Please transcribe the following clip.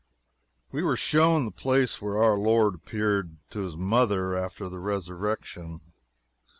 We were shown the place where our Lord appeared to His mother after the Resurrection.